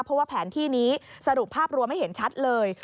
เพราะว่าแผนที่นี้สรุปภาพรวมให้เห็นชัดเลย